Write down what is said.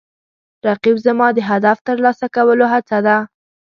رقیب زما د هدف ترلاسه کولو هڅه ده